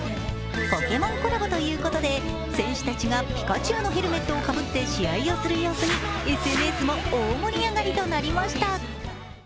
「ポケモン」コラボということで選手たちがピカチュウのヘルメットをかぶって試合をする様子にＳＮＳも大盛り上がりとなりました。